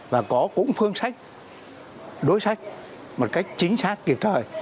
và có cũng phương sách đối sách một cách chính xác kịp thời